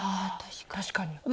確かに。